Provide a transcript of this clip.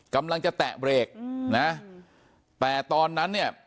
กำลังจะแตะเบรกนะแต่ตอนนั้นเนี่ย